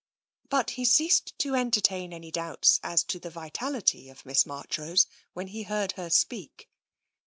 But he ceased to entertain any doubts as to the vital ity of Miss Marchrose when he heard her speak.